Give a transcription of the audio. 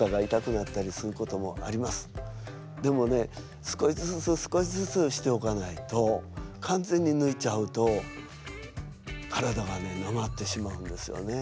でもね少しずつ少しずつしておかないと完全にぬいちゃうと体がねなまってしまうんですよね。